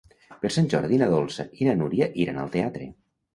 Per Sant Jordi na Dolça i na Núria iran al teatre.